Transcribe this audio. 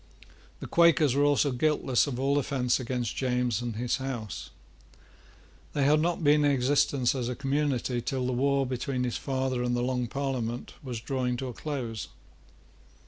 The Quakers were also guiltless of all offence against James and his House. They had not been in existence as a community till the war between his father and the Long Parliament was drawing towards a close.